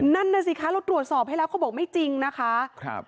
นั่นน่ะสิคะเราตรวจสอบให้แล้วเขาบอกไม่จริงนะคะ